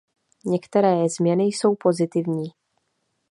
Některé změny jsou pozitivní.